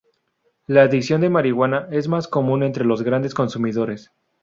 La adicción de marihuana es más común entre los grandes consumidores.